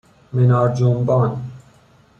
منار جنبان